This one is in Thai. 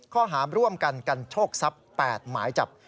ข้อหาร่วมกันกันโชคทรัพย์๘หมายจับ